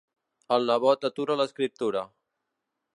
El nebot atura l'escriptura.